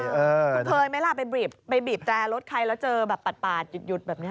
เคยไหมล่ะไปบีบแดร์รถใครแล้วเจอปัดหยุดแบบนี้